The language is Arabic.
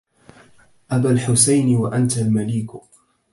أبا الحسين وأنت المليك